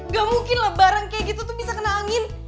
gak mungkin lebaran kayak gitu tuh bisa kena angin